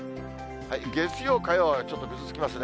月曜、火曜はちょっとぐずつきますね。